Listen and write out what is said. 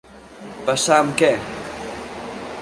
Passar amb què?